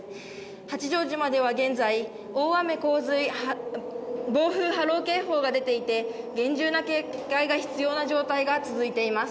八丈島では現在、大雨洪水暴風波浪警報が出ていて、厳重な警戒が必要な状態が続いています。